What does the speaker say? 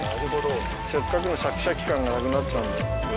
せっかくのシャキシャキ感がなくなっちゃうんで。